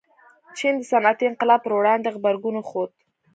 چین د صنعتي انقلاب پر وړاندې غبرګون وښود.